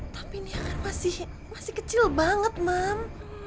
tapi nia kan masih kecil banget mam